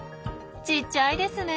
ちっちゃいですね。